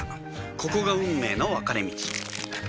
ここが運命の分かれ道